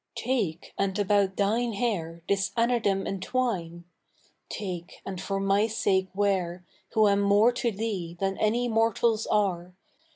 Take, and about thine hair This anadem entwine — Take, and for my sake wear, Who am more to thee than other mortals are.